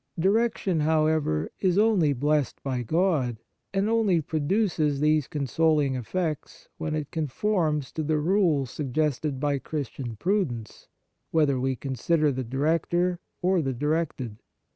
Direction, however, is only blessed by God, and only produces these consoling effects when it conforms to the rules suggested by Christian prudence, whether we consider the director or the directed.